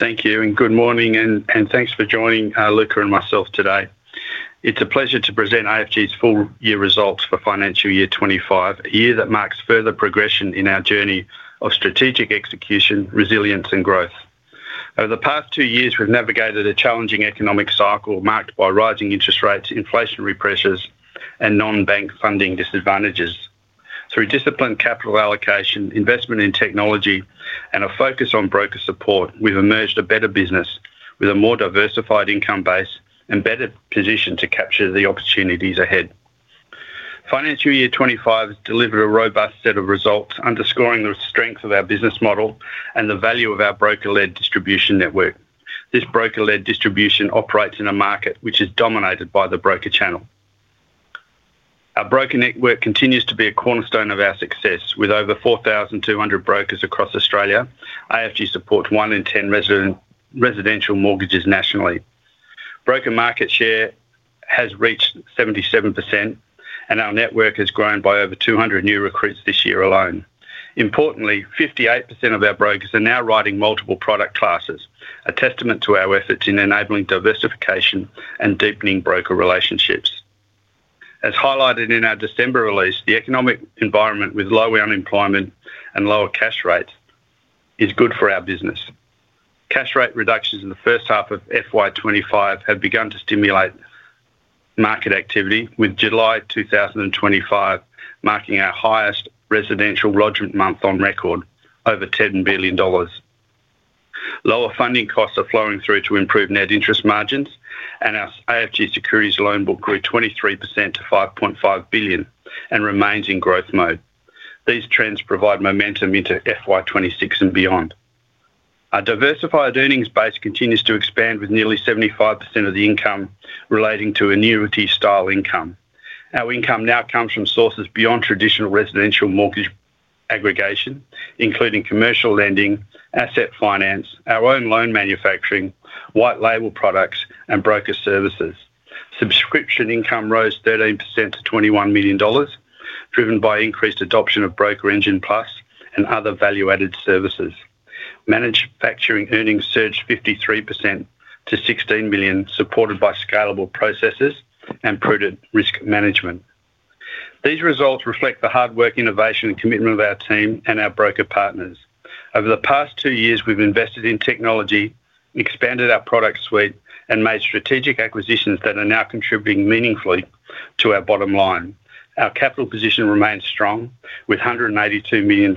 Thank you, and good morning, and thanks for joining Luca and myself today. It's a pleasure to present AFG's full-year results for financial year 2025, a year that marks further progression in our journey of strategic execution, resilience, and growth. Over the past two years, we've navigated a challenging economic cycle marked by rising interest rates, inflationary pressures, and non-bank funding disadvantages. Through disciplined capital allocation, investment in technology, and a focus on broker support, we've emerged a better business with a more diversified income base and better positioned to capture the opportunities ahead. Financial year 2025 has delivered a robust set of results, underscoring the strength of our business model and the value of our broker-led distribution network. This broker-led distribution operates in a market which is dominated by the broker channel. Our broker network continues to be a cornerstone of our success, with over 4,200 brokers across Australia. AFG supports one in ten residential mortgages nationally. Broker market share has reached 77%, and our network has grown by over 200 new recruits this year alone. Importantly, 58% of our brokers are now writing multiple product classes, a testament to our efforts in enabling diversification and deepening broker relationships. As highlighted in our December release, the economic environment with lower unemployment and lower cash rates is good for our business. Cash rate reductions in the first half of FY 2025 have begun to stimulate market activity, with July 2025 marking our highest residential lodgement month on record, over $10 billion. Lower funding costs are flowing through to improve net interest margins, and our AFG Securities Book grew 23% to $5.5 billion and remains in growth mode. These trends provide momentum into FY 2026 and beyond. Our diversified earnings base continues to expand with nearly 75% of the income relating to annuity-style income. Our income now comes from sources beyond traditional residential mortgage aggregation, including commercial lending, asset finance, our own loan manufacturing, white label products, and broker services. Subscription income rose 13% to $21 million, driven by increased adoption of Broker Engine Plus and other value-added services. Manufacturing earnings surged 53% to $16 million, supported by scalable processes and prudent risk management. These results reflect the hard work, innovation, and commitment of our team and our broker partners. Over the past two years, we've invested in technology, expanded our product suite, and made strategic acquisitions that are now contributing meaningfully to our bottom line. Our capital position remains strong, with $192 million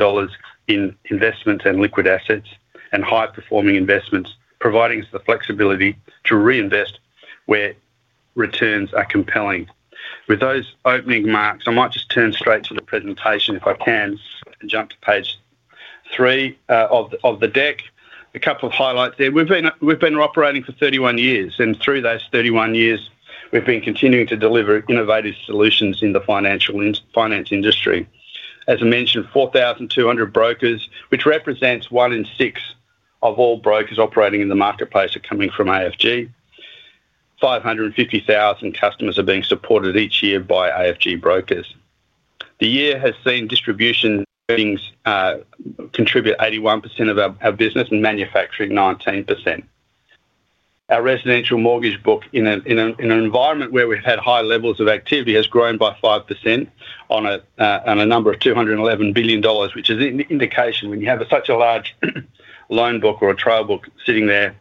in investments and liquid assets and high-performing investments, providing us the flexibility to reinvest where returns are compelling. With those opening remarks, I might just turn straight to the presentation if I can, and jump to page three of the deck. A couple of highlights there. We've been operating for 31 years, and through those 31 years, we've been continuing to deliver innovative solutions in the financial finance industry. As I mentioned, 4,200 brokers, which represents one in six of all brokers operating in the marketplace, are coming from AFG. 550,000 customers are being supported each year by AFG brokers. The year has seen distribution earnings contribute 81% of our business and manufacturing 19%. Our Residential Mortgage Book, in an environment where we've had high levels of activity, has grown by 5% on a number of $211 billion, which is an indication when you have such a large loan book or a trail book sitting there,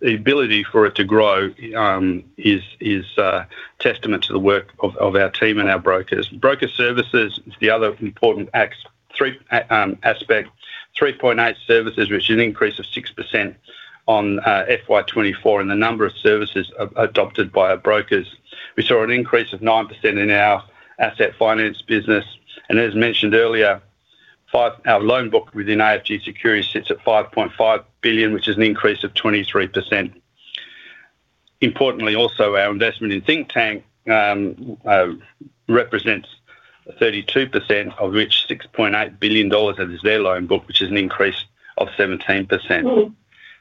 the ability for it to grow is a testament to the work of our team and our brokers. Broker services is the other important aspect. 3.8 services, which is an increase of 6% on FY 2024, and the number of services adopted by our brokers. We saw an increase of 9% in our asset finance business, and as mentioned earlier, our loan book within AFG Securities sits at $5.5 billion, which is an increase of 23%. Importantly, also, our investment in Thinktank represents 32% of which $6.8 billion is their loan book, which is an increase of 17%.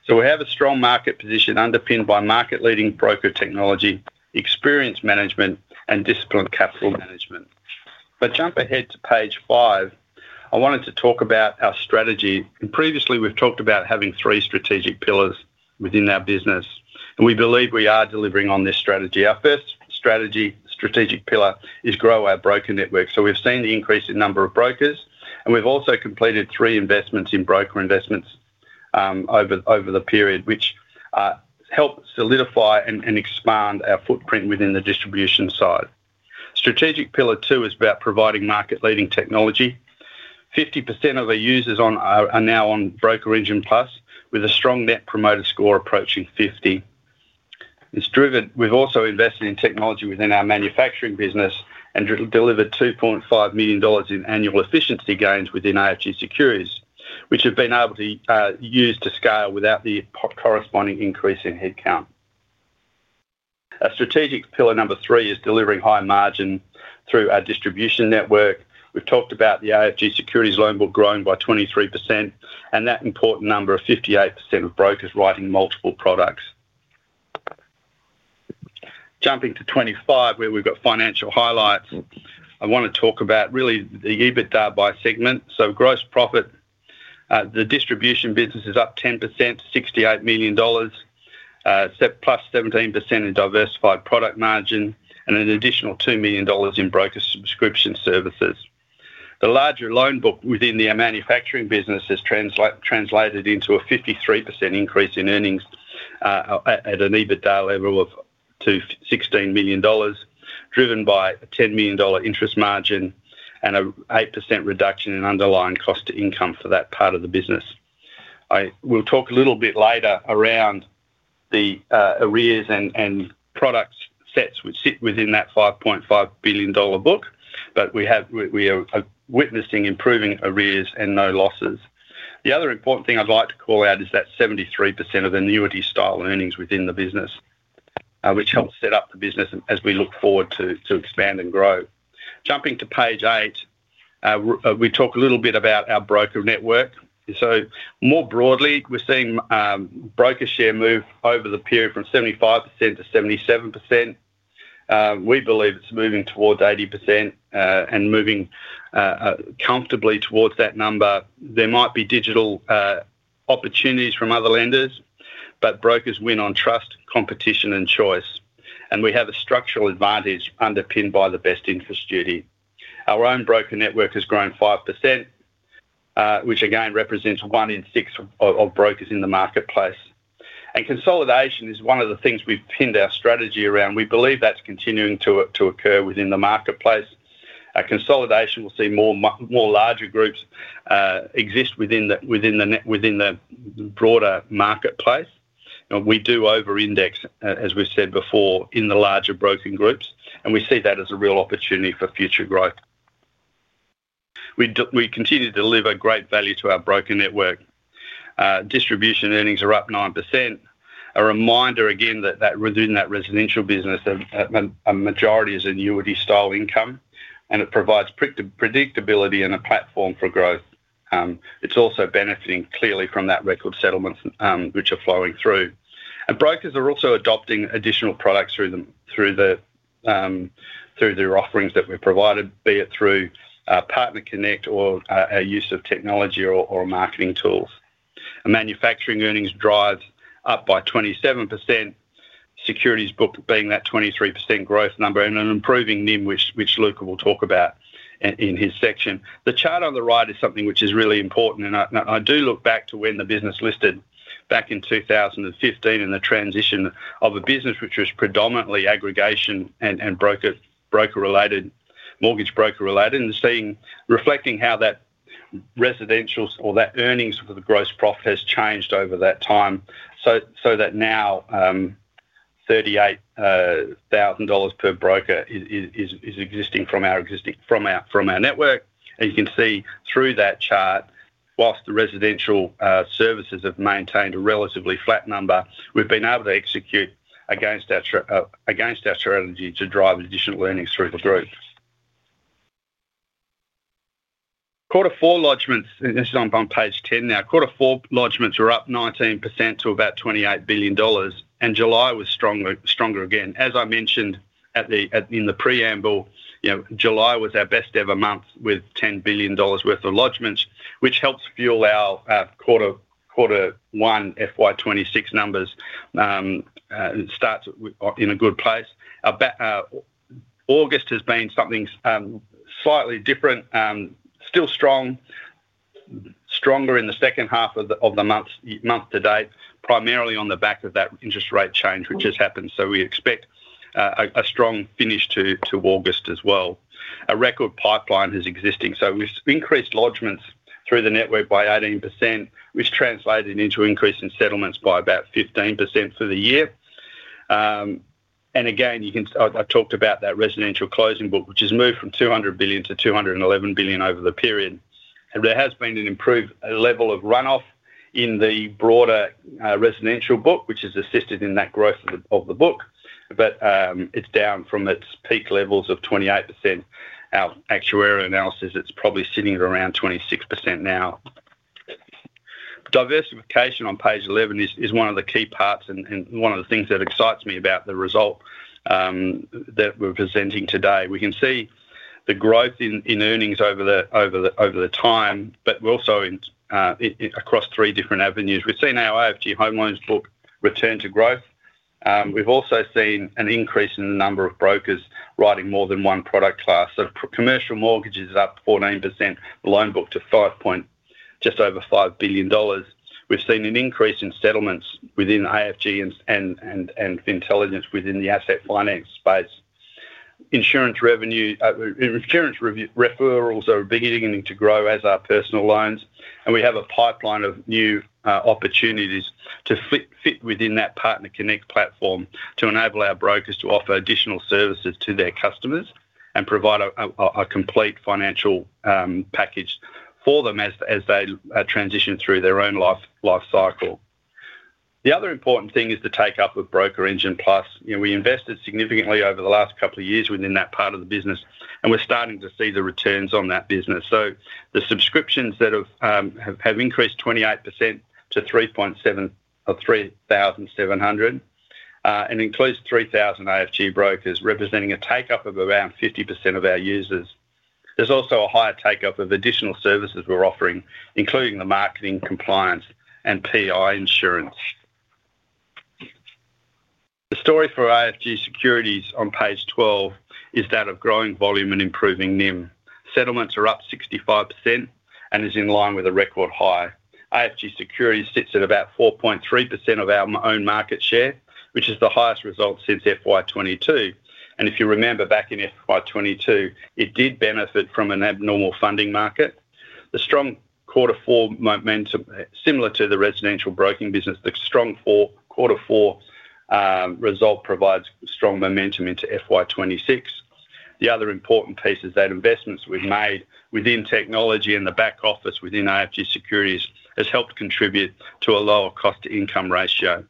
We have a strong market position underpinned by market-leading broker technology, experience management, and disciplined capital management. If I jump ahead to page five, I wanted to talk about our strategy. Previously, we've talked about having three strategic pillars within our business, and we believe we are delivering on this strategy. Our first strategic pillar is grow our broker network. We've seen the increase in the number of brokers, and we've also completed three investments in broker investments over the period, which helps solidify and expand our footprint within the distribution side. Strategic pillar two is about providing market-leading technology. 50% of our users are now on BrokerEngine Plus, with a strong net promoter score approaching 50. We've also invested in technology within our manufacturing business and delivered $2.5 million in annual efficiency gains within AFG Securities, which we've been able to use to scale without the corresponding increase in headcount. Our strategic pillar number three is delivering high margin through our distribution network. We've talked about the AFG Securities loan book growing by 23% and that important number of 58% of brokers writing multiple products. Jumping to 25, where we've got financial highlights, I want to talk about really the EBITDA by segment. So gross profit, the Distribution Business is up 10% to $68 million, +17% in diversified product margin, and an additional $2 million in broker subscription services. The larger loan book within the manufacturing business has translated into a 53% increase in earnings at an EBITDA level of $16 million, driven by a $10 million interest margin and an 8% reduction in underlying cost-to-income for that part of the business. We'll talk a little bit later around the arrears and product sets which sit within that $5.5 billion book, but we are witnessing improving arrears and no losses. The other important thing I'd like to call out is that 73% of annuity-style earnings within the business, which helps set up the business as we look forward to expand and grow. Jumping to page eight, we talk a little bit about our broker network. More broadly, we're seeing broker share move over the period from 75% - 77%. We believe it's moving towards 80% and moving comfortably towards that number. There might be digital opportunities from other lenders, but brokers win on trust, competition, and choice, and we have a structural advantage underpinned by the best interest duty. Our own broker network has grown 5%, which again represents one in six of brokers in the marketplace. Consolidation is one of the things we've pinned our strategy around. We believe that's continuing to occur within the marketplace. Consolidation will see more larger groups exist within the broader marketplace. We do over-index, as we've said before, in the larger broker groups, and we see that as a real opportunity for future growth. We continue to deliver great value to our broker network. Distribution earnings are up 9%. A reminder again that within that residential business, a majority is annuity-style income, and it provides predictability and a platform for growth. It's also benefiting clearly from that record settlements which are flowing through. Brokers are also adopting additional products through their offerings that we've provided, be it through our partner connect or our use of technology or marketing tools. Our manufacturing earnings drive up by 27%, securities book being that 23% growth number, and an improving NIM, which Luca will talk about in his section. The chart on the right is something which is really important, and I do look back to when the business listed back in 2015 in the transition of a business which was predominantly aggregation and broker-related, mortgage broker-related, and seeing reflecting how that residential or that earnings for the gross profit has changed over that time. Now $38,000 per broker is existing from our network. You can see through that chart, whilst the residential services have maintained a relatively flat number, we've been able to execute against our strategy to drive additional earnings through the group. Quarter four lodgements, and this is on page 10 now. Quarter four lodgements are up 19% to about $28 billion, and July was stronger again. As I mentioned in the preamble, July was our best ever month with $10 billion worth of lodgements, which helps fuel our quarter one FY 2026 numbers. It starts in a good place. August has been something slightly different, still strong, stronger in the second half of the month to date, primarily on the back of that interest rate change which has happened. We expect a strong finish to August as well. A record pipeline is existing. We've increased lodgements through the network by 18%, which translated into an increase in settlements by about 15% for the year. I talked about that residential closing book, which has moved from $200 billion - $211 billion over the period. There has been an improved level of runoff in the broader residential book, which has assisted in that growth of the book, but it's down from its peak levels of 28%. Our actuarial analysis is probably sitting at around 26% now. Diversification on page 11 is one of the key parts and one of the things that excites me about the result that we're presenting today. We can see the growth in earnings over the time, but also across three different avenues. We've seen our AFG Home Loans Book return to growth. We've also seen an increase in the number of brokers writing more than one product class. Commercial mortgages are up 14%, loan book to just over $5 billion. We've seen an increase in settlements within AFG and intelligence within the asset finance space. Insurance referrals are beginning to grow as are personal loans, and we have a pipeline of new opportunities to fit within that Partner Connect platform to enable our brokers to offer additional services to their customers and provide a complete financial package for them as they transition through their own life cycle. The other important thing is the takeup of BrokerEngine Plus. We invested significantly over the last couple of years within that part of the business, and we're starting to see the returns on that business. The subscriptions have increased 28% to 3,700 and include 3,000 AFG brokers, representing a takeup of around 50% of our users. There's also a higher takeup of additional services we're offering, including the marketing, compliance, and PI insurance. The story for AFG Securities on page 12 is that of growing volume and improving NIM. Settlements are up 65% and are in line with a record high. AFG Securities sits at about 4.3% of our own market share, which is the highest result since FY 2022. If you remember back in FY 2022, it did benefit from an abnormal funding market. The strong quarter four momentum, similar to the residential broking business, the strong quarter four result provides strong momentum into FY 2026. The other important piece is that investments we've made within technology and the back office within AFG Securities have helped contribute to a lower cost-to-income ratio.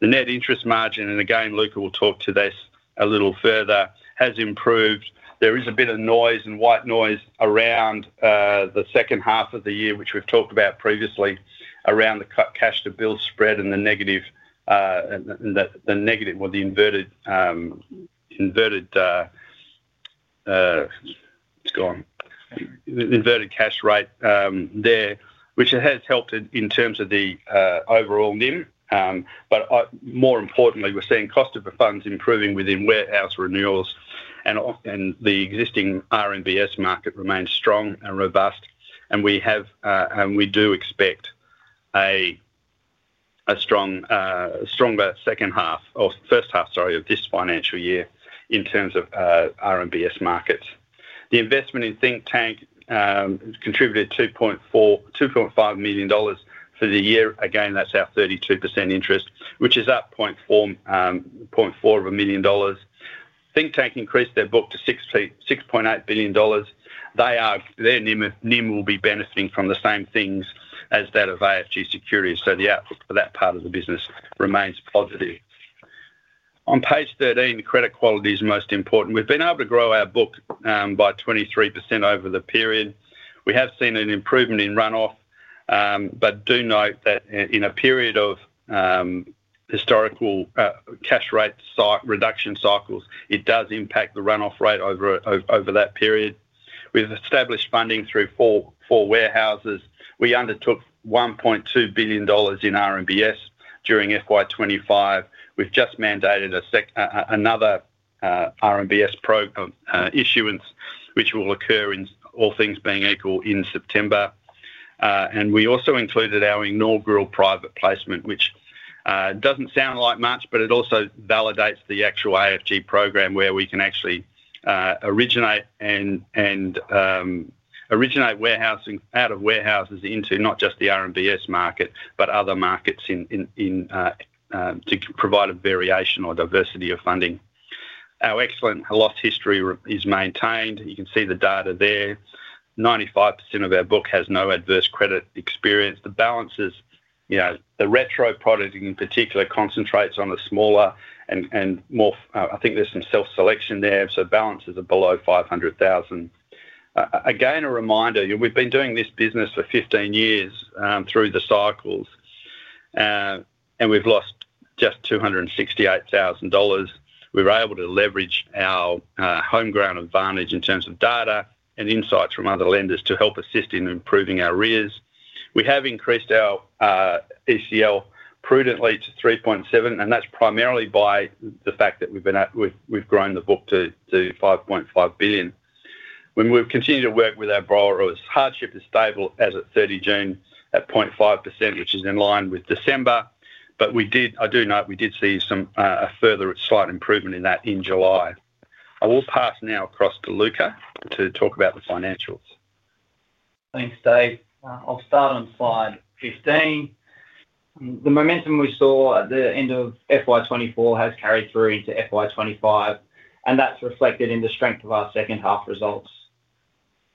The net interest margin, and again, Luca will talk to this a little further, has improved. There is a bit of noise and white noise around the second half of the year, which we've talked about previously, around the cash-to-bill spread and the negative, the inverted cash rate there, which has helped in terms of the overall NIM. More importantly, we're seeing cost of the funds improving within warehouse renewals, and the existing RMBS market remains strong and robust. We do expect a stronger second half or first half, sorry, of this financial year in terms of RMBS markets. The investment in Thinktank contributed $2.5 million for the year. Again, that's our 32% interest, which is up $0.4 million. Thinktank increased their book to $6.8 billion. Their NIM will be benefiting from the same things as that of AFG Securities. The outlook for that part of the business remains positive. On page 13, credit quality is most important. We've been able to grow our book by 23% over the period. We have seen an improvement in runoff, but do note that in a period of historical cash rate reduction cycles, it does impact the runoff rate over that period. We've established funding through four warehouses. We undertook $1.2 billion in RMBS during FY2025. We've just mandated another RMBS issuance, which will occur, all things being equal, in September. We also included our inaugural private placement, which doesn't sound like much, but it also validates the actual AFG program where we can actually originate warehousing out of warehouses into not just the RMBS market, but other markets to provide a variation or diversity of funding. Our excellent loss history is maintained. You can see the data there. 95% of our book has no adverse credit experience. The balance is, you know, the retro product in particular concentrates on the smaller and more, I think there's some self-selection there. Balances are below $500,000. Again, a reminder, we've been doing this business for 15 years through the cycles, and we've lost just $268,000. We were able to leverage our homegrown advantage in terms of data and insights from other lenders to help assist in improving our arrears. We have increased our ECL prudently to 3.7%, and that's primarily by the fact that we've grown the book to $5.5 billion. We've continued to work with our borrowers. Hardship is stable as at 30 June at 0.5%, which is in line with December. We did see a further slight improvement in that in July. I will pass now across to Luca to talk about the financials. Thanks, Dave. I'll start on slide 15. The momentum we saw at the end of FY 2024 has carried through to FY 2025, and that's reflected in the strength of our second half results.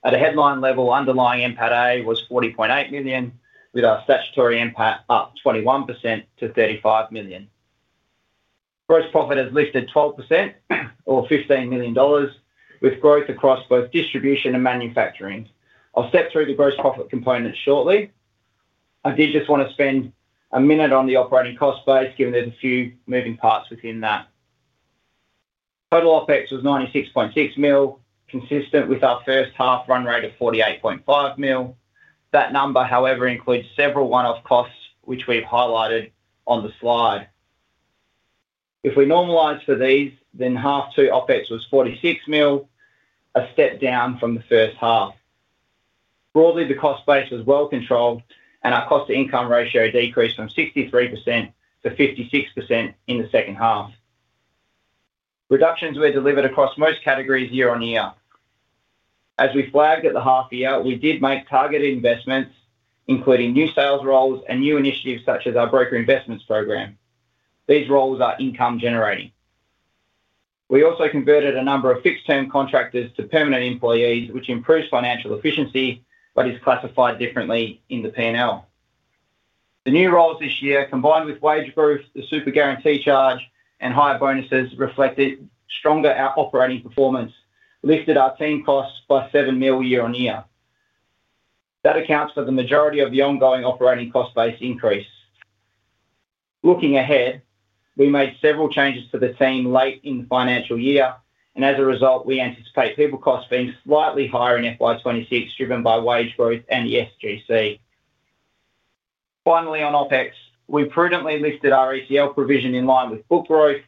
At a headline level, underlying NPAT was $40.8 million, with our statutory NPAT up 21% to $35 million. Gross profit has lifted 12% or $15 million, with growth across both distribution and manufacturing. I'll step through the gross profit component shortly. I did just want to spend a minute on the operating cost base, given there's a few moving parts within that. Total OpEx was $96.6 million, consistent with our first half run rate of $48.5 million. That number, however, includes several one-off costs, which we've highlighted on the slide. If we normalize for these, then half two OpEx was $46 million, a step down from the first half. Broadly, the cost base was well controlled, and our cost-to-income ratio decreased from 63% - 56% in the second half. Reductions were delivered across most categories year on year. As we flagged at the half year, we did make targeted investments, including new sales roles and new initiatives such as our broker investments program. These roles are income-generating. We also converted a number of fixed-term contractors to permanent employees, which improves financial efficiency but is classified differently in the P&L. The new roles this year, combined with wage growth, the super guarantee charge, and higher bonuses reflected stronger operating performance, lifted our team costs by $7 million year on year. That accounts for the majority of the ongoing operating cost base increase. Looking ahead, we made several changes for the team late in the financial year, and as a result, we anticipate people costs being slightly higher in FY 2026, driven by wage growth and the SGC. Finally, on OpEx, we prudently lifted our ECL provision in line with book growth.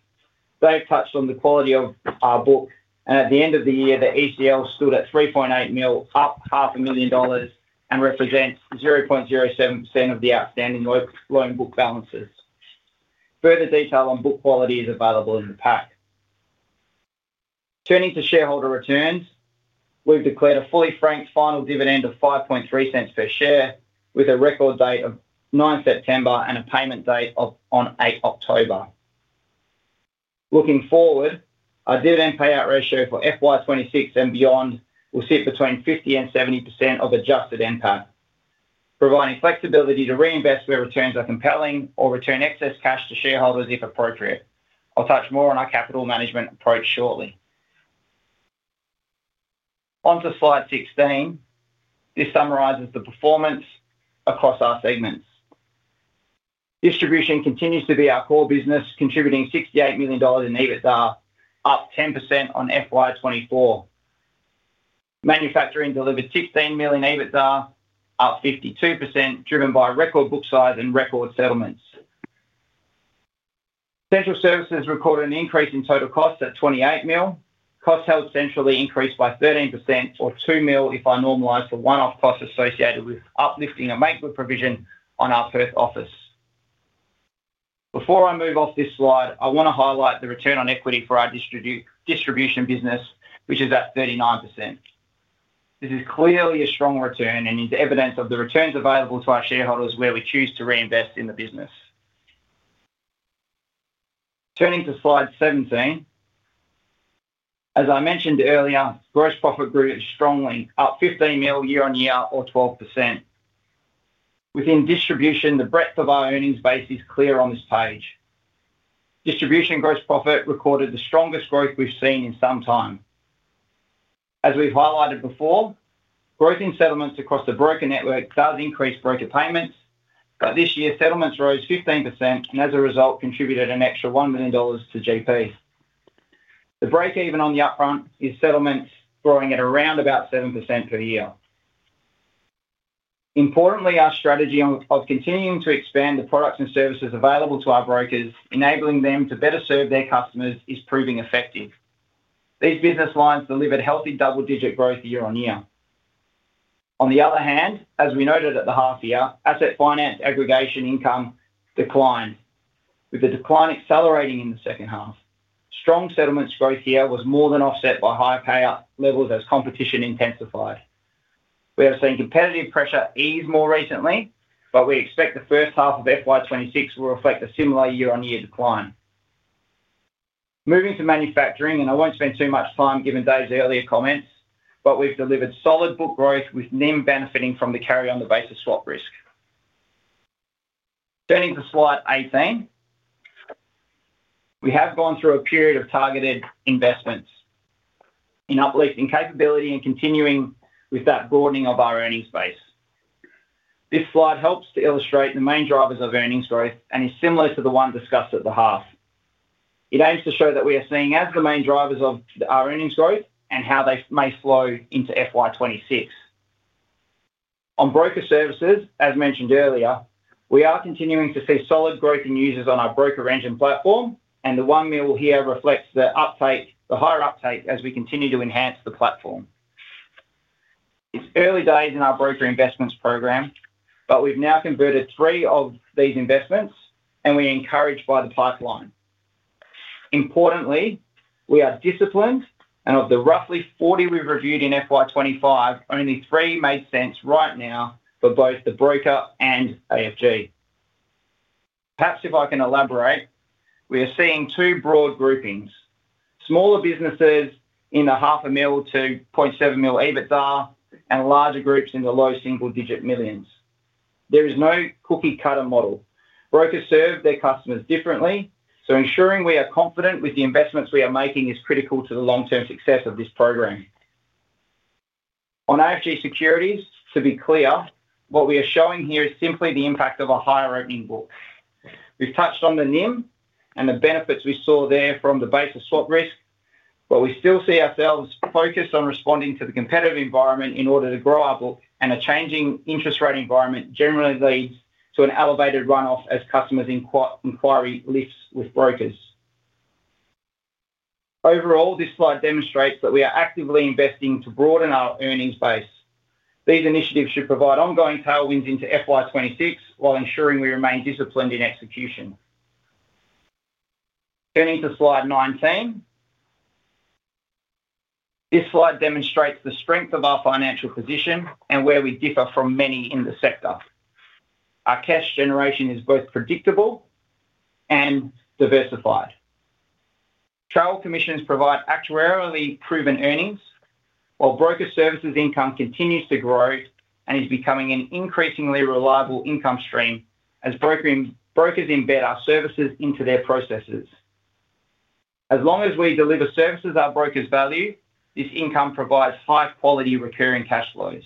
They've touched on the quality of our book, and at the end of the year, the ECL stood at $3.8 million, up half a million dollars, and represents 0.07% of the outstanding loan book balances. Further detail on book quality is available in the pack. Turning to shareholder returns, we've declared a fully franked final dividend of $0.05 per share, with a record date of 9 September and a payment date on 8 October. Looking forward, our dividend payout ratio for FY 2026 and beyond will sit between 50% and 70% of adjusted NPAT, providing flexibility to reinvest where returns are compelling or return excess cash to shareholders if appropriate. I'll touch more on our capital management approach shortly. On to slide 16. This summarizes the performance across our segments. Distribution continues to be our core business, contributing $68 million in EBITDA, up 10% on FY 2024. Manufacturing delivered $16 million EBITDA, up 52%, driven by record book size and record settlements. Central services recorded an increase in total costs at $28 million. Costs held centrally increased by 13% or $2 million if I normalize for one-off costs associated with uplifting a make-good provision on our first office. Before I move off this slide, I want to highlight the return on equity for our Distribution Business, which is at 39%. This is clearly a strong return and is evidence of the returns available to our shareholders where we choose to reinvest in the business. Turning to slide 17. As I mentioned earlier, gross profit grew strongly, up $15 million year on year or 12%. Within Distribution, the breadth of our earnings base is clear on this page. Distribution gross profit recorded the strongest growth we've seen in some time. As we've highlighted before, growth in settlements across the broker network does increase broker payments, but this year's settlements rose 15% and as a result contributed an extra $1 million to gross profit. The break even on the upfront is settlements growing at around about 7% per year. Importantly, our strategy of continuing to expand the products and services available to our brokers, enabling them to better serve their customers, is proving effective. These business lines delivered healthy double-digit growth year on year. On the other hand, as we noted at the half year, asset finance aggregation income declined, with the decline accelerating in the second half. Strong settlements growth here was more than offset by higher payout levels as competition intensified. We have seen competitive pressure ease more recently, but we expect the first half of FY 2026 will reflect a similar year-on-year decline. Moving to manufacturing, and I won't spend too much time given Dave's earlier comments, but we've delivered solid book growth with NIM benefiting from the carry-on the basis swap risk. Turning to slide 18, we have gone through a period of targeted investments in uplifting capability and continuing with that broadening of our earnings base. This slide helps to illustrate the main drivers of earnings growth and is similar to the one discussed at the half. It aims to show what we are seeing as the main drivers of our earnings growth and how they may flow into FY 2026. On broker services, as mentioned earlier, we are continuing to see solid growth in users on our BrokerEngine Plus platform, and the $1 million here reflects the higher uptake as we continue to enhance the platform. It's early days in our broker investments program, but we've now converted three of these investments, and we're encouraged by the pipeline. Importantly, we are disciplined, and of the roughly 40 we've reviewed in FY 2025, only three made sense right now for both the broker and AFG. Perhaps if I can elaborate, we are seeing two broad groupings: smaller businesses in the $0.5 million to $0.7 million EBITDA and larger groups in the low single-digit millions. There is no cookie-cutter model. Brokers serve their customers differently, so ensuring we are confident with the investments we are making is critical to the long-term success of this program. On AFG Securities, to be clear, what we are showing here is simply the impact of a higher opening book. We've touched on the Net Interest Margin and the benefits we saw there from the basis swap risk, but we still see ourselves focused on responding to the competitive environment in order to grow our book, and a changing interest rate environment generally leads to an elevated runoff as customers' inquiry lifts with brokers. Overall, this slide demonstrates that we are actively investing to broaden our earnings base. These initiatives should provide ongoing tailwinds into FY 2026 while ensuring we remain disciplined in execution. Turning to slide 19, this slide demonstrates the strength of our financial position and where we differ from many in the sector. Our cash generation is both predictable and diversified. Trial commissions provide actuarially proven earnings, while broker services income continues to grow and is becoming an increasingly reliable income stream as brokers embed our services into their processes. As long as we deliver services our brokers value, this income provides high-quality recurring cash flows.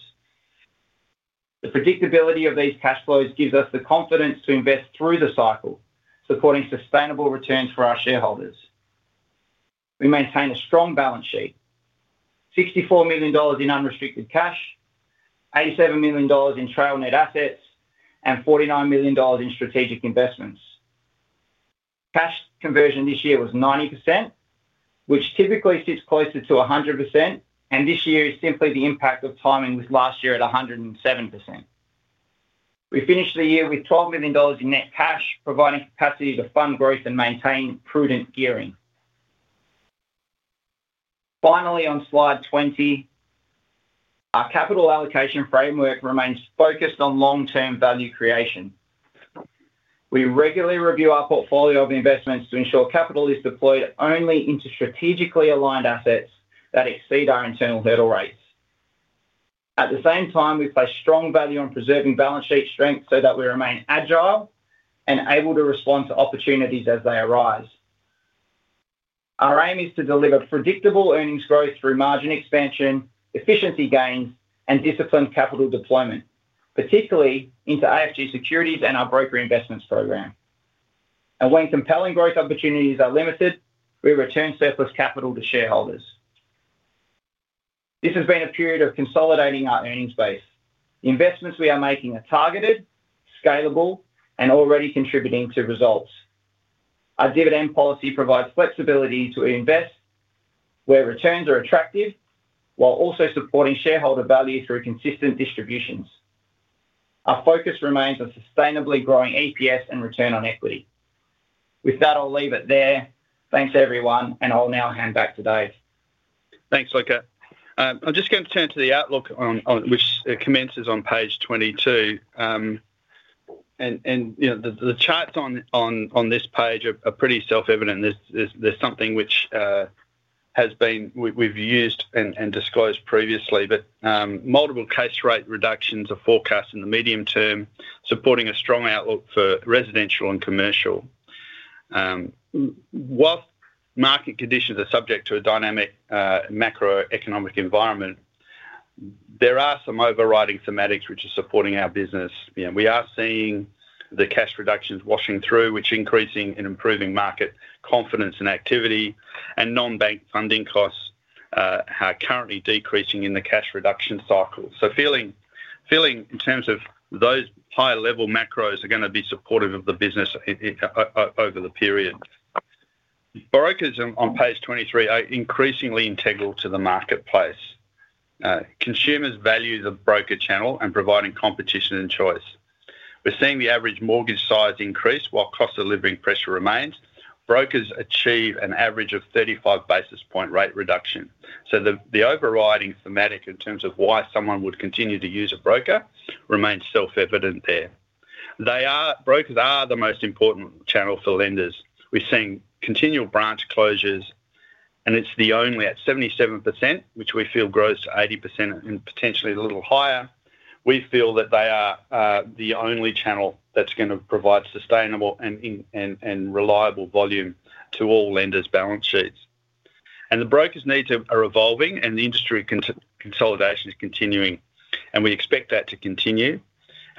The predictability of these cash flows gives us the confidence to invest through the cycle, supporting sustainable returns for our shareholders. We maintain a strong balance sheet: $64 million in unrestricted cash, $87 million in trail net assets, and $49 million in strategic investments. Cash conversion this year was 90%, which typically sits closer to 100%, and this year is simply the impact of timing with last year at 107%. We finished the year with $12 million in net cash, providing capacity to fund growth and maintain prudent gearing. Finally, on slide 20, our capital allocation framework remains focused on long-term value creation. We regularly review our portfolio of investments to ensure capital is deployed only into strategically aligned assets that exceed our internal hurdle rates. At the same time, we place strong value on preserving balance sheet strength so that we remain agile and able to respond to opportunities as they arise. Our aim is to deliver predictable earnings growth through margin expansion, efficiency gain, and disciplined capital deployment, particularly into AFG Securities and our broker investments program. When compelling growth opportunities are limited, we return surplus capital to shareholders. This has been a period of consolidating our earnings base. The investments we are making are targeted, scalable, and already contributing to results. Our dividend policy provides flexibility to reinvest where returns are attractive, while also supporting shareholder value through consistent distributions. Our focus remains on sustainably growing EPS and return on equity. With that, I'll leave it there. Thanks, everyone, and I'll now hand back to Dave. Thanks, Luca. I'm just going to turn to the outlook, which commences on page 22. The charts on this page are pretty self-evident. There's something which has been, we've used and disclosed previously, but multiple case rate reductions are forecast in the medium term, supporting a strong outlook for residential and commercial. Whilst market conditions are subject to a dynamic macroeconomic environment, there are some overriding thematics which are supporting our business. We are seeing the cash reductions washing through, which are increasing and improving market confidence and activity, and non-bank funding costs are currently decreasing in the cash reduction cycle. In terms of those high-level macros, they are going to be supportive of the business over the period. Brokers on page 23 are increasingly integral to the marketplace. Consumers value the broker channel in providing competition and choice. We're seeing the average mortgage size increase, while cost of delivering pressure remains. Brokers achieve an average of 35 basis point rate reduction. The overriding thematic in terms of why someone would continue to use a broker remains self-evident there. Brokers are the most important channel for lenders. We're seeing continual branch closures, and it's only at 77%, which we feel grows to 80% and potentially a little higher. We feel that they are the only channel that's going to provide sustainable and reliable volume to all lenders' balance sheets. The brokers' needs are evolving, and the industry consolidation is continuing, and we expect that to continue.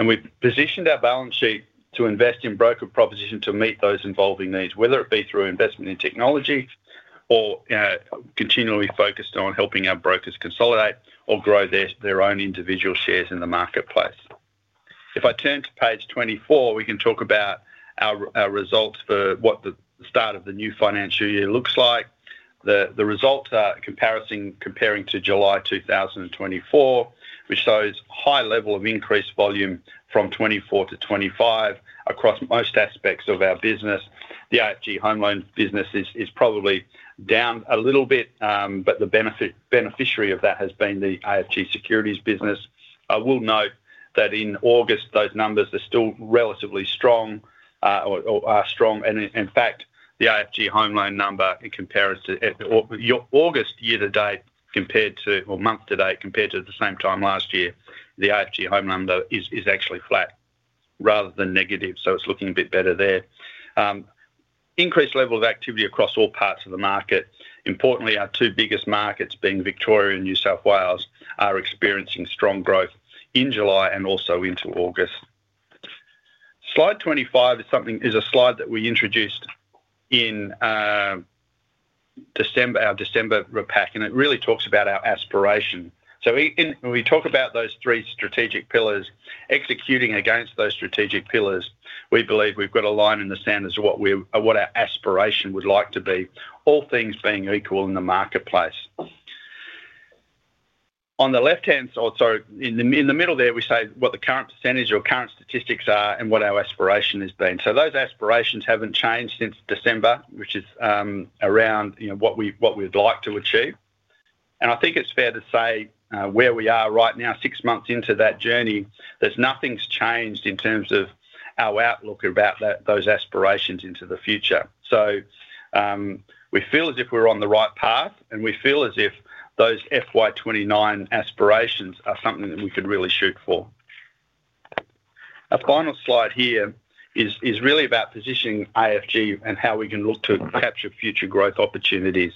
We've positioned our balance sheet to invest in broker proposition to meet those evolving needs, whether it be through investment in technology or continually focused on helping our brokers consolidate or grow their own individual shares in the marketplace. If I turn to page 24, we can talk about our results for what the start of the new financial year looks like. The results are comparing to July 2024, which shows a high level of increased volume from 2024 to 2025 across most aspects of our business. The AFG Home Loans business is probably down a little bit, but the beneficiary of that has been the AFG Securities business. I will note that in August, those numbers are still relatively strong or are strong. In fact, the AFG Home Loans number in comparison to August year to date compared to, or month to date compared to the same time last year, the AFG Home Loans number is actually flat rather than negative. It's looking a bit better there. Increased level of activity across all parts of the market. Importantly, our two biggest markets, being Victoria and New South Wales, are experiencing strong growth in July and also into August. Slide 25 is a slide that we introduced in our December repack, and it really talks about our aspiration. When we talk about those three strategic pillars, executing against those strategic pillars, we believe we've got a line in the sand as to what our aspiration would like to be, all things being equal in the marketplace. On the left-hand side, in the middle there, we say what the current percentage or current statistics are and what our aspiration has been. Those aspirations haven't changed since December, which is around what we'd like to achieve. I think it's fair to say where we are right now, six months into that journey, nothing's changed in terms of our outlook about those aspirations into the future. We feel as if we're on the right path, and we feel as if those FY 2029 aspirations are something that we could really shoot for. A final slide here is really about positioning AFG and how we can look to capture future growth opportunities.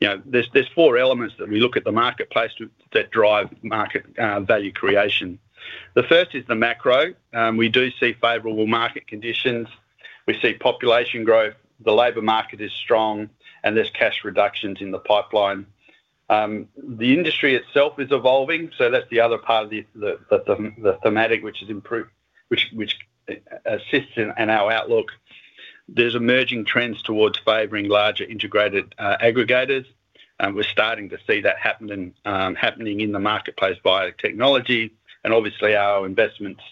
There are four elements that we look at in the marketplace that drive market value creation. The first is the macro. We do see favorable market conditions. We see population growth. The labor market is strong, and there are cash reductions in the pipeline. The industry itself is evolving. That's the other part of the thematic, which assists in our outlook. There are emerging trends towards favoring larger integrated aggregators. We're starting to see that happening in the marketplace via technology, and obviously our investments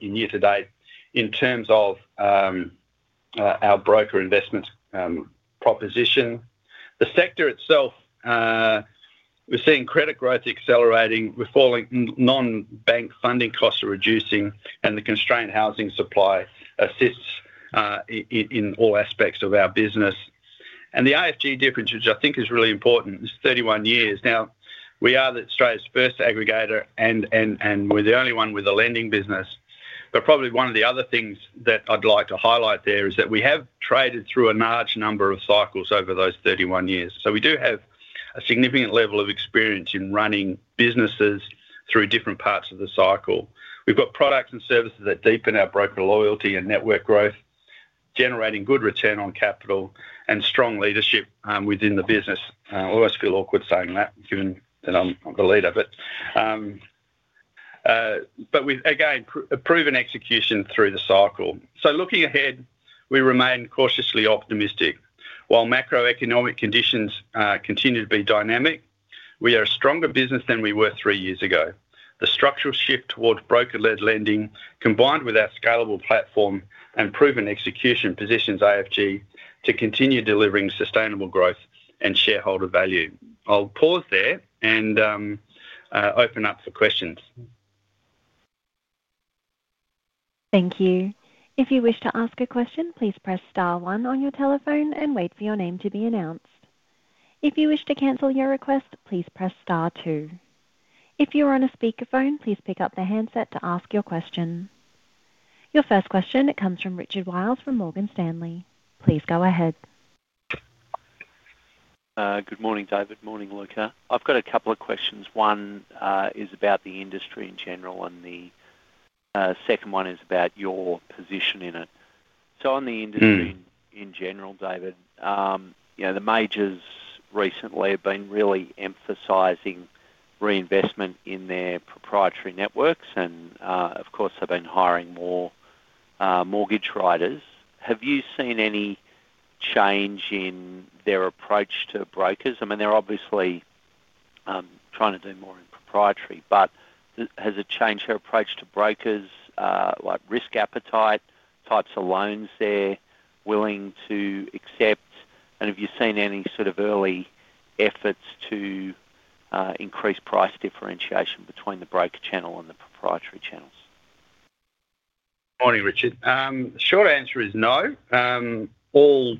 year to date in terms of our broker investment proposition. The sector itself, we're seeing credit growth accelerating, we're falling, non-bank funding costs are reducing, and the constrained housing supply assists in all aspects of our business. The AFG difference, which I think is really important, is 31 years. We are Australia's first aggregator, and we're the only one with a lending business. Probably one of the other things that I'd like to highlight there is that we have traded through a large number of cycles over those 31 years. We do have a significant level of experience in running businesses through different parts of the cycle. We've got products and services that deepen our broker loyalty and network growth, generating good return on capital and strong leadership within the business. I always feel awkward saying that given that I'm the lead of it. Again, proven execution through the cycle. Looking ahead, we remain cautiously optimistic. While macroeconomic conditions continue to be dynamic, we are a stronger business than we were three years ago. The structural shift towards broker-led lending, combined with our scalable platform and proven execution, positions AFG to continue delivering sustainable growth and shareholder value. I'll pause there and open up for questions. Thank you. If you wish to ask a question, please press star one on your telephone and wait for your name to be announced. If you wish to cancel your request, please press star two. If you are on a speaker phone, please pick up the handset to ask your question. Your first question comes from Richard Wiles from Morgan Stanley. Please go ahead. Good morning, David. Morning, Luca. I've got a couple of questions. One is about the industry in general, and the second one is about your position in it. On the industry in general, David, you know the majors recently have been really emphasizing reinvestment in their proprietary networks, and of course, they've been hiring more mortgage writers. Have you seen any change in their approach to brokers? I mean, they're obviously trying to do more in proprietary, but has it changed their approach to brokers? Like risk appetite, types of loans they're willing to accept, and have you seen any sort of early efforts to increase price differentiation between the broker channel and the proprietary channels? Morning, Richard. Short answer is no. All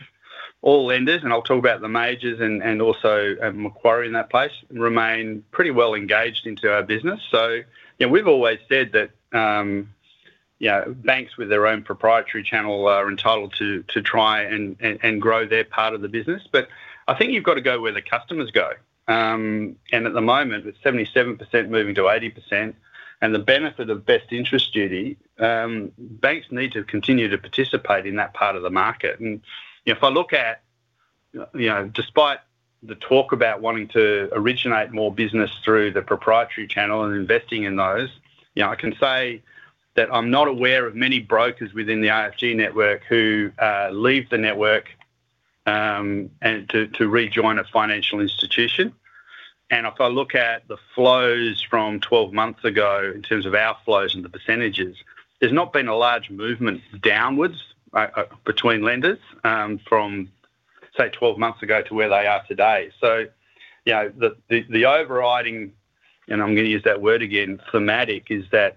lenders, and I'll talk about the majors and also Macquarie in that place, remain pretty well engaged into our business. We've always said that banks with their own proprietary channel are entitled to try and grow their part of the business. I think you've got to go where the customers go. At the moment, with 77% moving to 80% and the benefit of best interest duty, banks need to continue to participate in that part of the market. If I look at, despite the talk about wanting to originate more business through the proprietary channel and investing in those, I can say that I'm not aware of many brokers within the AFG network who leave the network to rejoin a financial institution. If I look at the flows from 12 months ago in terms of our flows and the percentages, there's not been a large movement downwards between lenders from, say, 12 months ago to where they are today. The overriding, and I'm going to use that word again, thematic, is that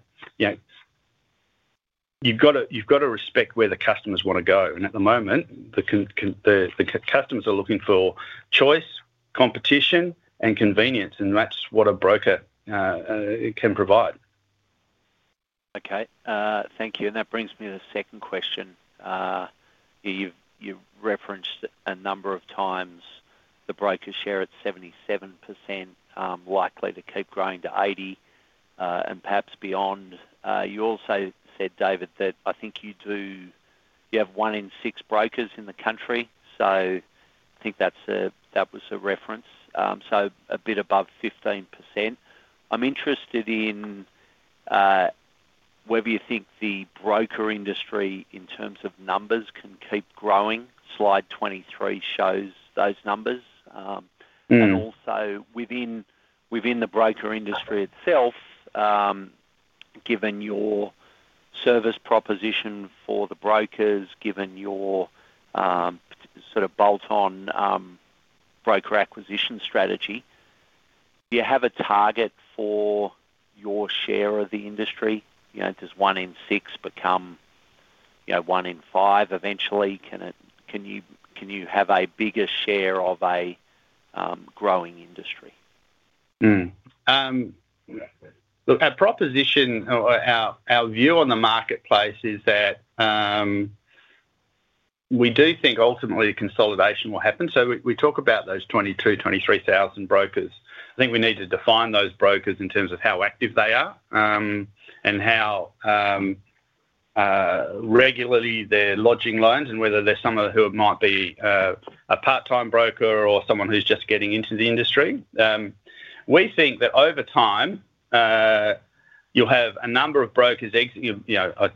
you've got to respect where the customers want to go. At the moment, the customers are looking for choice, competition, and convenience, and that's what a broker can provide. Okay. Thank you. That brings me to the second question. You've referenced a number of times the broker share at 77%, likely to keep growing to 80% and perhaps beyond. You also said, David, that I think you do, you have one in six brokers in the country. I think that was a reference, so a bit above 15%. I'm interested in whether you think the broker industry, in terms of numbers, can keep growing. Slide 23 shows those numbers. Also, within the broker industry itself, given your service proposition for the brokers, given your sort of bolt-on broker acquisition strategy, do you have a target for your share of the industry? Does one in six become one in five eventually? Can you have a bigger share of a growing industry? Our view on the marketplace is that we do think ultimately consolidation will happen. We talk about those 22,000, 23,000 brokers. I think we need to define those brokers in terms of how active they are and how regularly they're lodging loans and whether they're someone who might be a part-time broker or someone who's just getting into the industry. We think that over time, you'll have a number of brokers exiting.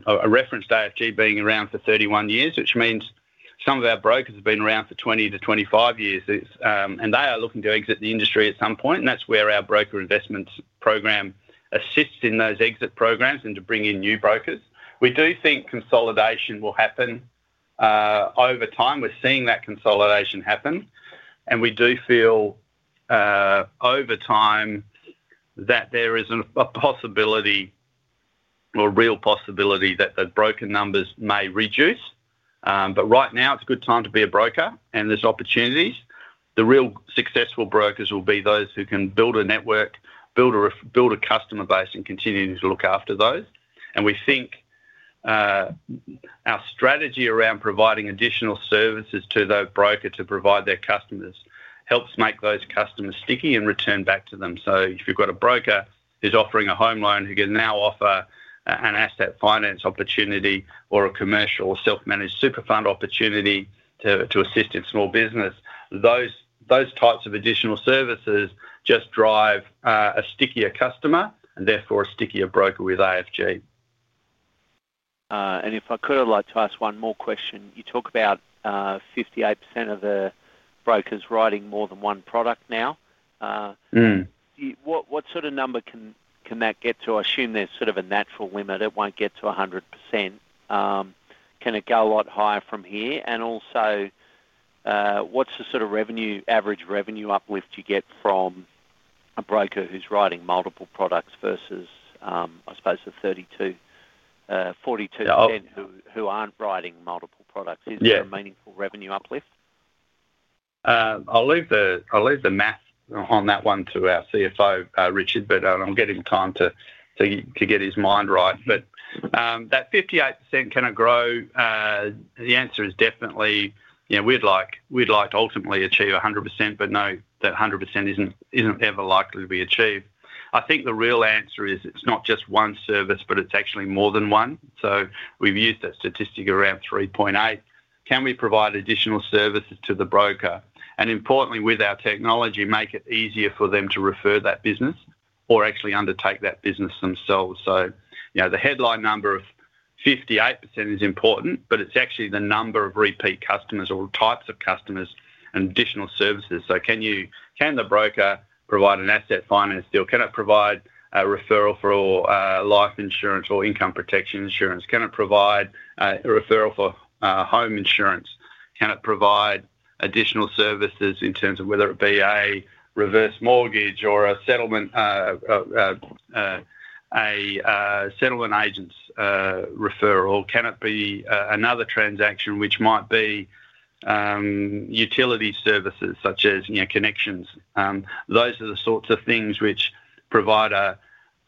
A reference to AFG being around for 31 years, which means some of our brokers have been around for 20 to 25 years, and they are looking to exit the industry at some point. That's where our broker investments program assists in those exit programs and to bring in new brokers. We do think consolidation will happen over time. We're seeing that consolidation happen. We do feel over time that there is a possibility, or a real possibility, that the broker numbers may reduce. Right now, it's a good time to be a broker, and there's opportunities. The real successful brokers will be those who can build a network, build a customer base, and continue to look after those. We think our strategy around providing additional services to those brokers to provide their customers helps make those customers sticky and return back to them. If you've got a broker who's offering a home loan, who can now offer an asset finance opportunity or a commercial or self-managed super fund opportunity to assist in small business, those types of additional services just drive a stickier customer and therefore a stickier broker with AFG. If I could, I'd like to ask one more question. You talk about 58% of the brokers writing more than one product now. What sort of number can that get to? I assume there's sort of a natural limit. It won't get to 100%. Can it go a lot higher from here? Also, what's the sort of average revenue uplift you get from a broker who's writing multiple products versus, I suppose, the 42,000 who aren't writing multiple products? Is there a meaningful revenue uplift? I'll leave the math on that one to our CFO, Luca, but I'll give him time to get his mind right. That 58%, can it grow? The answer is definitely, you know, we'd like to ultimately achieve 100%, but no, that 100% isn't ever likely to be achieved. I think the real answer is it's not just one service, but it's actually more than one. We've used that statistic around 3.8. Can we provide additional services to the broker? Importantly, with our technology, make it easier for them to refer that business or actually undertake that business themselves. The headline number of 58% is important, but it's actually the number of repeat customers or types of customers and additional services. Can the broker provide an asset finance deal? Can it provide a referral for life insurance or income protection insurance? Can it provide a referral for home insurance? Can it provide additional services in terms of whether it be a reverse mortgage or a settlement agent's referral? Can it be another transaction which might be utility services such as connections? Those are the sorts of things which provide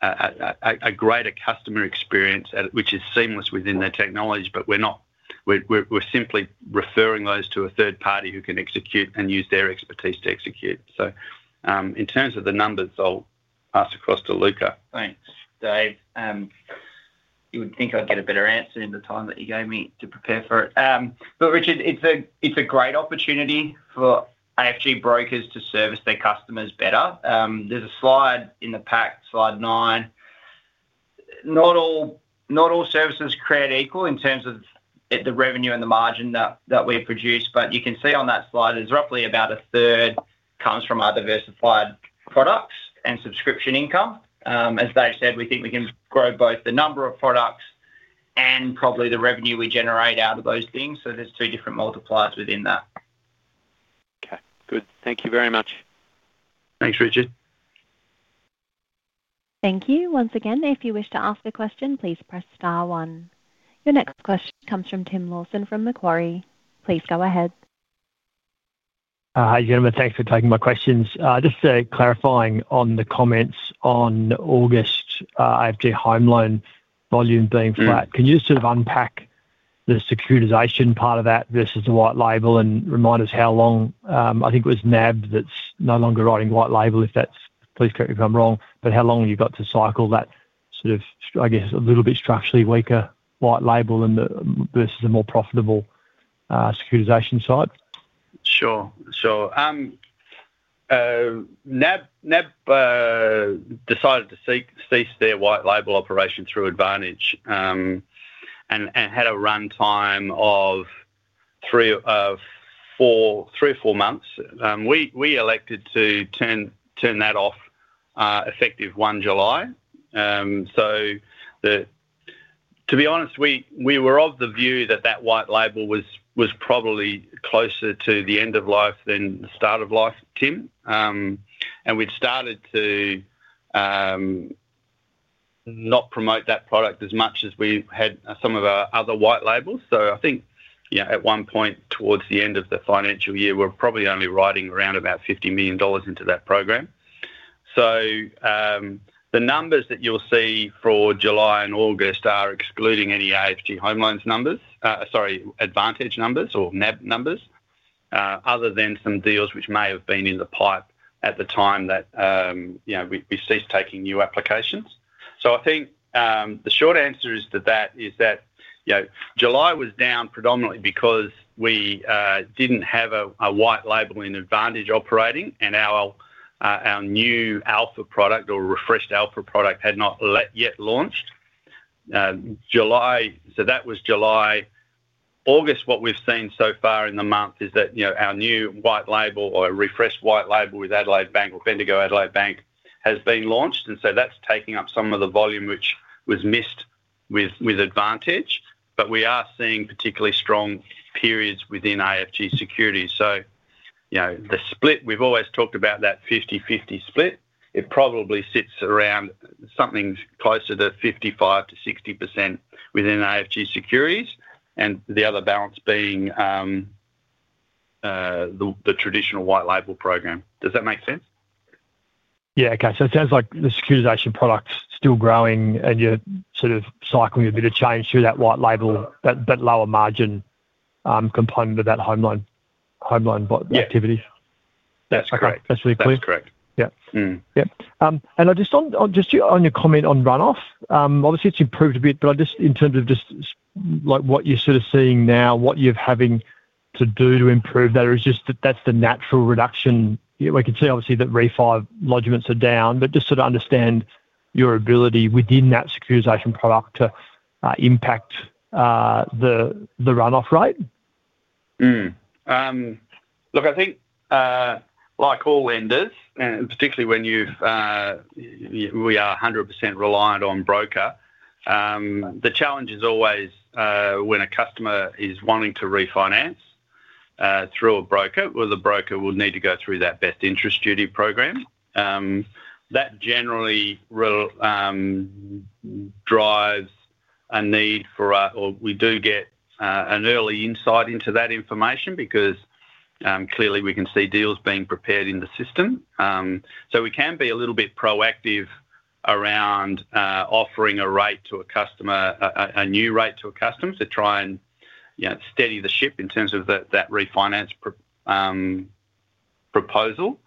a greater customer experience, which is seamless within their technology, but we're not, we're simply referring those to a third party who can execute and use their expertise to execute. In terms of the numbers, I'll pass it across to Luca. Thanks, Dave. You would think I'd get a better answer in the time that you gave me to prepare for it. Richard, it's a great opportunity for AFG brokers to service their customers better. There's a slide in the pack, slide nine. Not all services are created equal in terms of the revenue and the margin that we produce, but you can see on that slide there's roughly about a third comes from our diversified products and subscription income. As Dave said, we think we can grow both the number of products and probably the revenue we generate out of those things. There are two different multipliers within that. Okay, good. Thank you very much. Thanks, Richard. Thank you. Once again, if you wish to ask a question, please press star one. Your next question comes from Tim Lawson from Macquarie. Please go ahead. Hi, gentlemen. Thanks for taking my questions. Just clarifying on the comments on August, AFG Home Loans volume being flat. Can you just sort of unpack the securitization part of that versus the white label and remind us how long, I think it was NAB that's no longer writing white label, if that's, please correct me if I'm wrong, but how long have you got to cycle that sort of, I guess, a little bit structurally weaker white label versus a more profitable securitization side? Sure. NAB decided to cease their white label operation through Advantage and had a runtime of three or four months. We elected to turn that off effective 1 July. To be honest, we were of the view that that white label was probably closer to the end of life than the start of life, Tim. We'd started to not promote that product as much as we had some of our other white labels. I think at one point towards the end of the financial year, we were probably only writing around about $50 million into that program. The numbers that you'll see for July and August are excluding any AFG Home Loans Book numbers, sorry, Advantage numbers or NAB numbers, other than some deals which may have been in the pipe at the time that we ceased taking new applications. The short answer to that is that July was down predominantly because we didn't have a white label in Advantage operating and our new Alpha product or refreshed Alpha product had not yet launched. That was July. August, what we've seen so far in the month is that our new white label or a refreshed white label with Adelaide Bank or Bendigo and Adelaide Bank has been launched, and that's taking up some of the volume which was missed with Advantage. We are seeing particularly strong periods within AFG Securities. The split, we've always talked about that 50-50 split. It probably sits around something closer to 55% - 60% within AFG Securities and the other balance being the traditional white label program. Does that make sense? Okay. It sounds like the securitization product's still growing and you're sort of cycling a bit of change through that white label, that lower margin component of that home loan activity. Yeah, that's correct. Okay, that's really clear. That's correct. Yeah. Just on your comment on runoff, obviously it's improved a bit. In terms of what you're seeing now, what you're having to do to improve that, is that the natural reduction? We can see obviously that refi lodgements are down, but just trying to understand your ability within that securitization product to impact the runoff rate? Look, I think like all lenders, and particularly when we are 100% reliant on broker, the challenge is always when a customer is wanting to refinance through a broker, the broker will need to go through that best interest duty program. That generally drives a need for us, or we do get an early insight into that information because clearly we can see deals being prepared in the system. We can be a little bit proactive around offering a rate to a customer, a new rate to a customer to try and steady the ship in terms of that refinance proposal.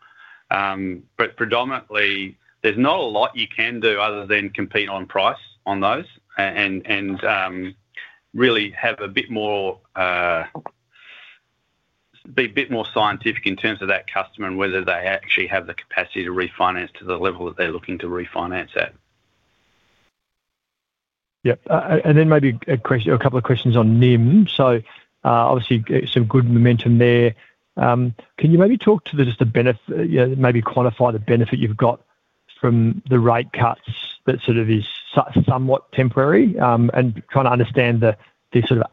Predominantly, there's not a lot you can do other than compete on price on those and really have a bit more, be a bit more scientific in terms of that customer and whether they actually have the capacity to refinance to the level that they're looking to refinance at. Yep. Maybe a couple of questions on NIM. Obviously, some good momentum there. Can you talk to just the benefit, maybe quantify the benefit you've got from the rate cuts that is somewhat temporary, and trying to understand the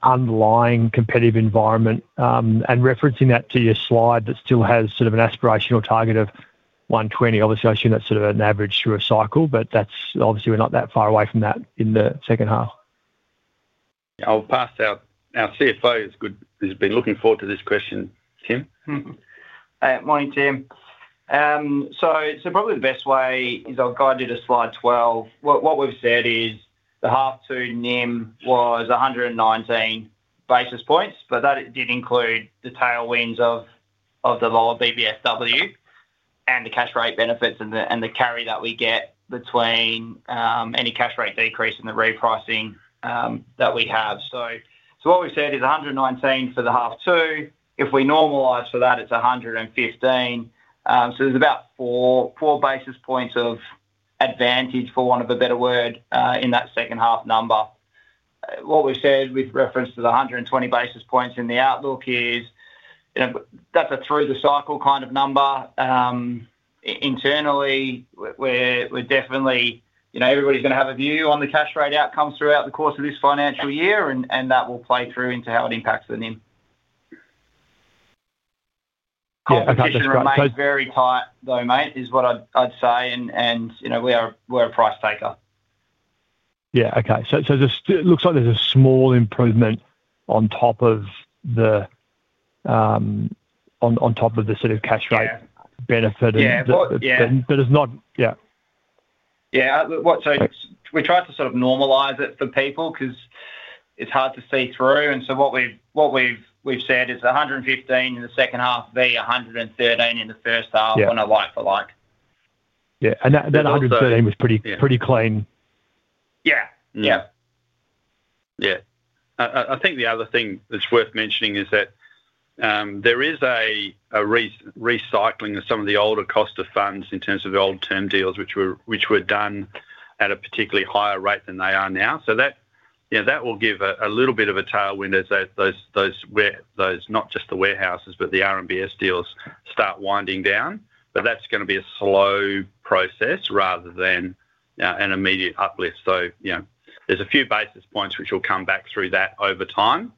underlying competitive environment and referencing that to your slide that still has an aspirational target of 120. Obviously, I assume that's an average through a cycle, but we're not that far away from that in the second half. Yeah, I'll pass out. Our CFO has been looking forward to this question, Tim. Morning, Tim. Probably the best way is I'll guide you to slide 12. What we've said is the half two NIM was 119 basis points, but that did include the tailwinds of the lower BBSW and the cash rate benefits and the carry that we get between any cash rate decrease and the repricing that we have. What we've said is 119 basis points for the half two. If we normalize for that, it's 115 basis points. There's about 4 basis points of advantage, for want of a better word, in that second half number. What we've said with reference to the 120 basis points in the outlook is, you know, that's a through the cycle kind of number. Internally, we're definitely, you know, everybody's going to have a view on the cash rate outcomes throughout the course of this financial year, and that will play through into how it impacts the NIM. Yeah, okay. It's very tight though, mate, is what I'd say. You know, we're a price taker. Okay, it looks like there's a small improvement on top of the sort of cash rate benefit, and that's not, yeah. Yeah, we tried to sort of normalize it for people because it's hard to see through. What we've said is $115 million in the second half, be $113 million in the first half on a like for like. Yeah, that 113 was pretty clean. I think the other thing that's worth mentioning is that there is a recycling of some of the older cost of funds in terms of the old term deals, which were done at a particularly higher rate than they are now. That will give a little bit of a tailwind as those, not just the warehouses, but the RMBS deals start winding down. That's going to be a slow process rather than an immediate uplift. There are a few basis points which will come back through that over time,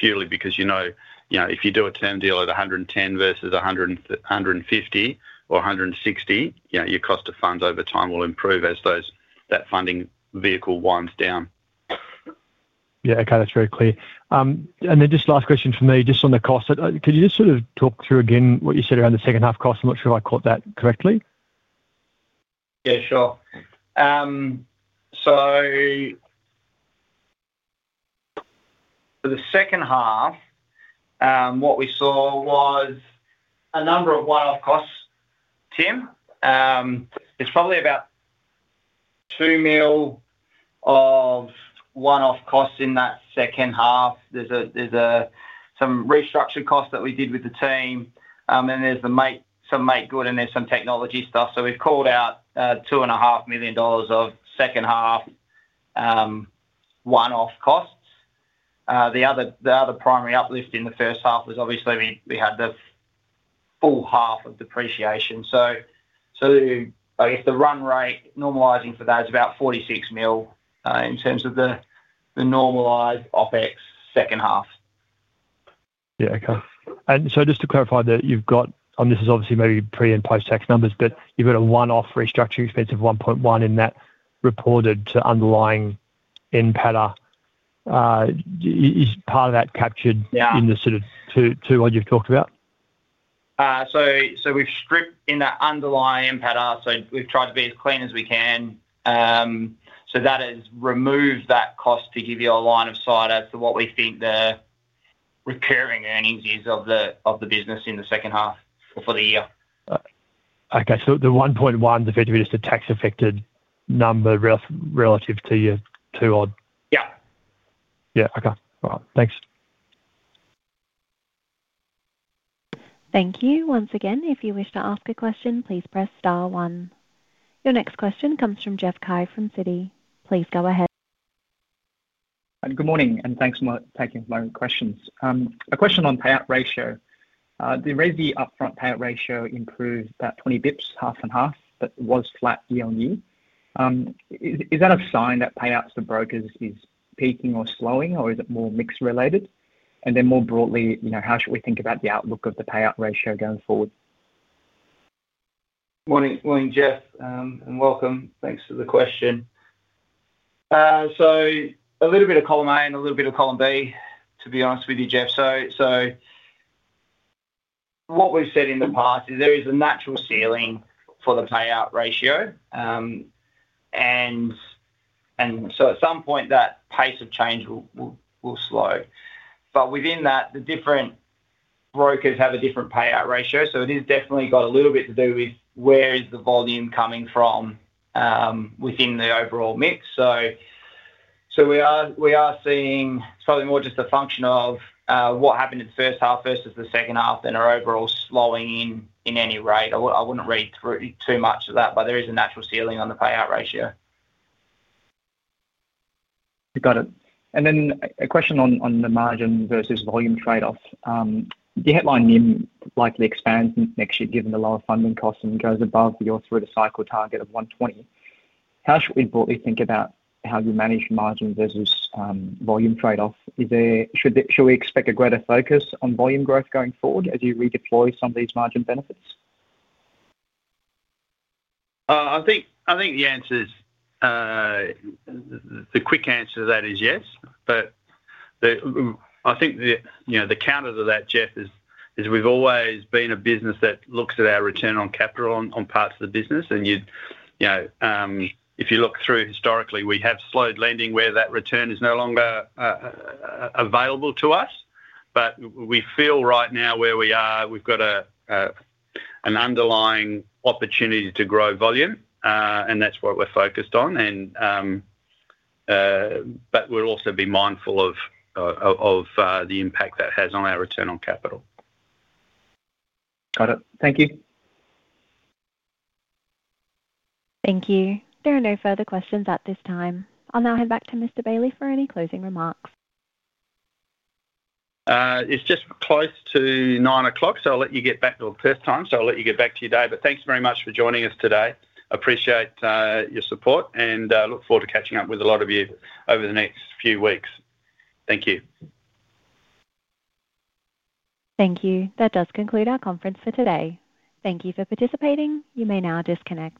purely because if you do a term deal at 110 basis points versus 150 basis points or 160 basis points, your cost of funds over time will improve as that funding vehicle winds down. Yeah, okay, that's very clear. Just last question from me, just on the cost, can you just sort of talk through again what you said around the second half cost? I'm not sure if I caught that correctly. Yeah, sure. For the second half, what we saw was a number of one-off costs, Tim. There's probably about $2 million of one-off costs in that second half. There's some restructuring costs that we did with the team, and there's some make good, and there's some technology stuff. We've called out $2.5 million of second half one-off costs. The other primary uplift in the first half was obviously we had the full half of depreciation. I guess the run rate normalizing for that is about $46 million in terms of the normalized OpEx second half. Okay. Just to clarify that you've got, and this is obviously maybe pre and post-tax numbers, but you've got a one-off restructuring expense of $1.1 million in that reported to underlying impact. Is part of that captured in the sort of $2 million odd you've talked about? We've stripped in that underlying impact, so we've tried to be as clean as we can. That has removed that cost to give you a line of sight as to what we think the recurring earnings is of the business in the second half for the year. Okay, so the $1.1 million is effectively just a tax-affected number relative to your $2 million odd. Yeah. Yeah, okay. All right, thanks. Thank you. Once again, if you wish to ask a question, please press star one. Your next question comes from Jeff Cai from Citi. Please go ahead. Good morning, and thanks for taking my questions. A question on payout ratio. The review upfront payout ratio improved about 20 basis points, half and half, but was flat year on year. Is that a sign that payouts for brokers is peaking or slowing, or is it more mixed related? More broadly, you know, how should we think about the outlook of the payout ratio going forward? Morning, Jeff, and welcome. Thanks for the question. A little bit of column A and a little bit of column B, to be honest with you, Jeff. What we've said in the past is there is a natural ceiling for the payout ratio, and at some point, that pace of change will slow. Within that, the different brokers have a different payout ratio. It has definitely got a little bit to do with where the volume is coming from within the overall mix. We are seeing it's probably more just a function of what happened in the first half versus the second half, and our overall slowing in any rate. I wouldn't read too much of that, but there is a natural ceiling on the payout ratio. Got it. A question on the margin versus volume trade-offs. The headline NIM likely expands next year given the lower funding costs and goes above your through the cycle target of 120 basis points. How should we broadly think about how you manage margin versus volume trade-off? Should we expect a greater focus on volume growth going forward as you redeploy some of these margin benefits? I think the answer is, the quick answer to that is yes. I think the counter to that, Jeff, is we've always been a business that looks at our return on capital on parts of the business. If you look through historically, we have slowed lending where that return is no longer available to us. We feel right now where we are, we've got an underlying opportunity to grow volume, and that's what we're focused on. We'll also be mindful of the impact that has on our return on capital. Got it. Thank you. Thank you. There are no further questions at this time. I'll now hand back to Mr. Bailey for any closing remarks. It's just close to 9:00 A.M., so I'll let you get back to your day. Thanks very much for joining us today. I appreciate your support and look forward to catching up with a lot of you over the next few weeks. Thank you. Thank you. That does conclude our conference for today. Thank you for participating. You may now disconnect.